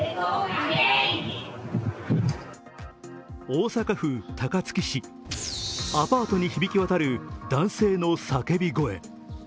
大阪府高槻市、アパートに響き渡る男性の叫び声。